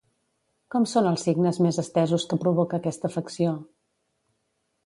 Com són els signes més estesos que provoca aquesta afecció?